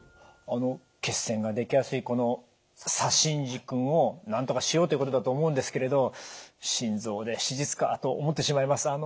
あの血栓ができやすいこの左心耳君をなんとかしようということだと思うんですけれど「心臓で手術か」と思ってしまいます。